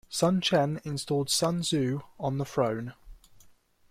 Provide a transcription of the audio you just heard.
Sun Chen installed Sun Xiu on the throne.